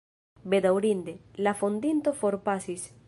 Bedaŭrinde, la fondinto forpasis.